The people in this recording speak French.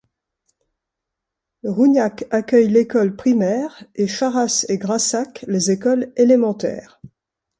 Rougnac accueille l'école primaire, et Charras et Grassac les écoles élémentaires.